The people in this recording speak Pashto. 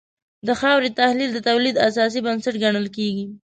د خاورې تحلیل د تولید اساسي بنسټ ګڼل کېږي.